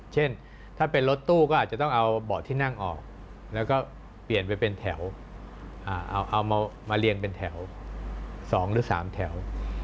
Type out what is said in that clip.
เช่นถ้าเป็นรถตู้ก็อาจจะต้องเอาเบาะที่นั่งออกแล้วก็เปลี่ยนไปเป็นแถวเอามาเรียงเป็นแถว๒หรือ๓แถว